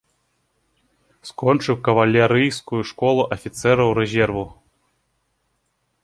Скончыў кавалерыйскую школу афіцэраў рэзерву.